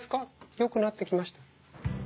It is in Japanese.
良くなってきました？